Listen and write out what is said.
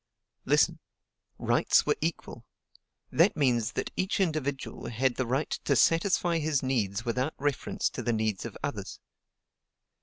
Listen: RIGHTS WERE EQUAL; that means that each individual had the right to SATISFY HIS NEEDS WITHOUT REFERENCE TO THE NEEDS OF OTHERS.